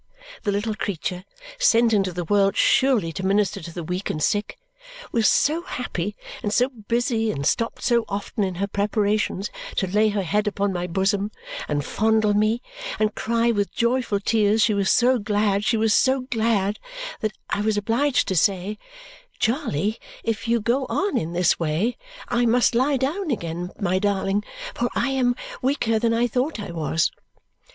The little creature sent into the world, surely, to minister to the weak and sick was so happy, and so busy, and stopped so often in her preparations to lay her head upon my bosom, and fondle me, and cry with joyful tears she was so glad, she was so glad, that I was obliged to say, "Charley, if you go on in this way, I must lie down again, my darling, for I am weaker than I thought I was!"